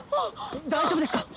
大丈夫ですか！？